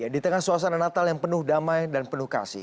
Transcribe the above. di tengah suasana natal yang penuh damai dan penuh kasih